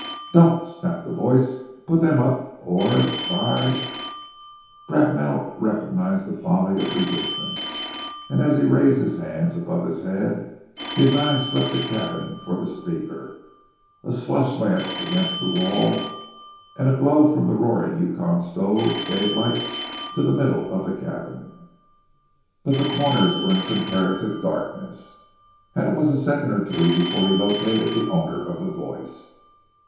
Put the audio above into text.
"Don't!" snapped the voice. "Put them up, or by " Bracknell recognized the folly of resistance, and as he raised his hands above his head, his eyes swept the cabin for the speaker. A slush lamp against the wall, and the glow from the roaring Yukon stove gave light to the middle of the cabin, but the corners were in comparative darkness, and it was a second or two before he located the owner of the voice.